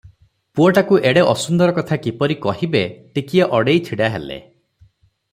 ପୁଅଟାକୁ ଏଡେ ଅସୁନ୍ଦର କଥା କିପରି କହିବେ - ଟିକିଏ ଅଡେଇ ଛିଡ଼ା ହେଲେ ।